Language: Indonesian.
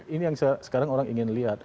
ini yang sekarang orang ingin lihat